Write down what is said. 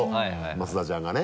増田ちゃんがね？